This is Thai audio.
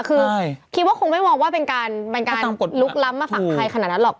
คือคิดว่าคงไม่มองว่าเป็นการลุกล้ำมาฝั่งไทยขนาดนั้นหรอก